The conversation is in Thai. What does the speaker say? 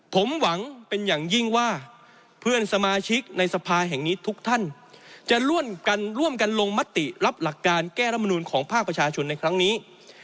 ผมหวังเป็นอย่างยิ่งว่าเพื่อนสมาชิกในสภาแห่งนี้ทุกท่านจะร่วมกันร่วมกันลงมติรับหลักการแก้รัฐมนูลของภาคประชาชนในครั้งนี้